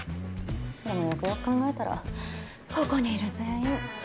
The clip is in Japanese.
でもよくよく考えたらここにいる全員独身なのよね。